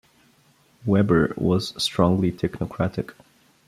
Weber was strongly technocratic.